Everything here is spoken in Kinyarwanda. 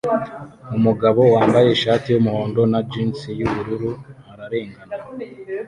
Umugabo wambaye ishati yumuhondo na jans yubururu ararengana